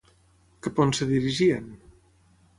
Cap a on es dirigien?